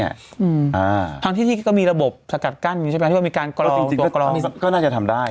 เอ้อะทางที่ที่เขาก็มีระบบสะกัดกั้นอยู่ใช่ไหมว่ามีการกลอวก็น่าจะทำได้